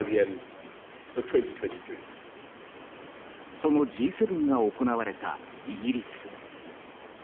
そのＧ７が行われたイギリス。